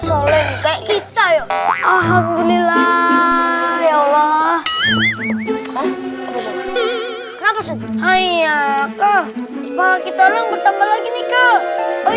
soleh kita ya alhamdulillah ya allah kenapa hai ayahkah kita orang bertambah lagi nih kau